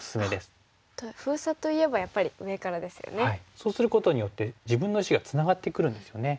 そうすることによって自分の石がツナがってくるんですよね。